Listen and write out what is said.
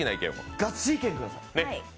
ガチ意見ください。